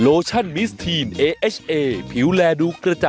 โอเคค่ะสักครู่เดี๋ยวค่ะ